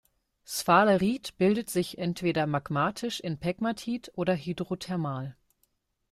Sphalerit bildet sich entweder magmatisch in Pegmatit oder hydrothermal.